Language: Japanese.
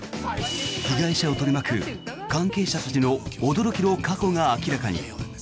被害者を取り巻く関係者たちの驚きの過去が明らかに。